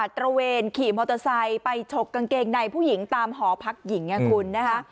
ตระเวนขี่มอเตอร์ไซค์ไปฉกกางเกงในผู้หญิงตามหอพักหญิงไงคุณนะคะ